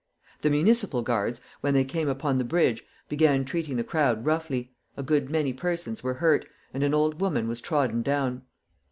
The Municipal Guards, when they came upon the bridge, began treating the crowd roughly, a good many persons were hurt, and an old woman was trodden down.